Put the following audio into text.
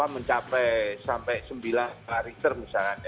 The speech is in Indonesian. mencapai sampai sembilan karakter misalnya